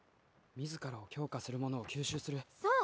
自らを強化するものを吸収するそう！